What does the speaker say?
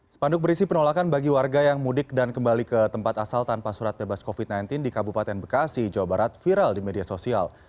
sepanduk berisi penolakan bagi warga yang mudik dan kembali ke tempat asal tanpa surat bebas covid sembilan belas di kabupaten bekasi jawa barat viral di media sosial